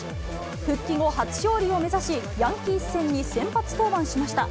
復帰後初勝利を目指し、ヤンキース戦に先発登板しました。